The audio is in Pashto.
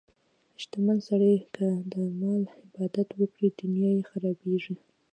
شتمن سړی که د مال عبادت وکړي، دنیا یې خرابېږي.